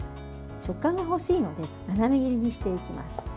食感が欲しいので斜め切りにしていきます。